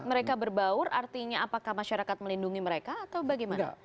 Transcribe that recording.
mereka berbaur artinya apakah masyarakat melindungi mereka atau bagaimana